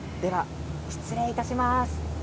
失礼いたします。